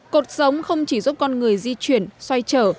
cột sống không chỉ giúp con người di chuyển xoay trở